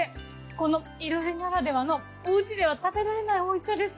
このいろりならではのお家では食べられない美味しさです。